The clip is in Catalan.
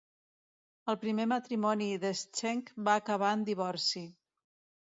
El primer matrimoni d'Schenck va acabar en divorci.